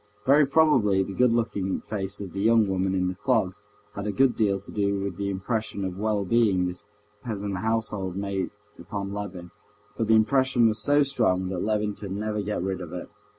Very probably the good looking face of the young woman in the clogs had a good deal to do with the impression of well being this peasant household made upon Levin, but the impression was so strong that Levin could never get rid of it.